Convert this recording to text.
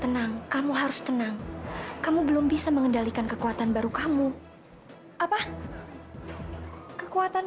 tenang kamu harus tenang kamu belum bisa mengendalikan kekuatan baru kamu apa kekuatan